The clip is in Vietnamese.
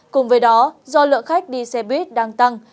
cùng với đó do lượng khách đi xe buýt đang tăng